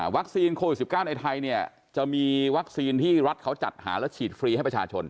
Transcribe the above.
โควิด๑๙ในไทยเนี่ยจะมีวัคซีนที่รัฐเขาจัดหาและฉีดฟรีให้ประชาชน